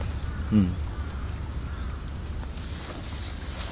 うん。